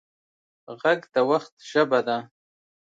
غږ د وخت ژبه ده